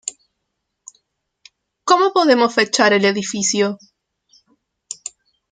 Cómo podemos fechar el edificio?